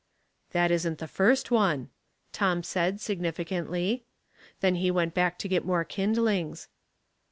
" That isn't the first one," Tom said, signifi cantly. Then he went back to get more kind lings.